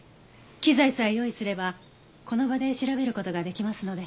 機材さえ用意すればこの場で調べる事ができますので。